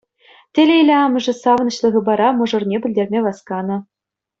Телейлӗ амӑшӗ савӑнӑҫлӑ хыпара мӑшӑрне пӗлтерме васканӑ.